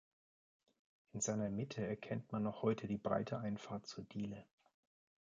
In seiner Mitte erkennt man noch heute die breite Einfahrt zur Diele.